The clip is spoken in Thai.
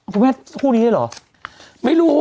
คุณแม่คู่นี้เลยเหรอไม่รู้